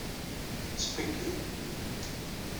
Tettqeyyil.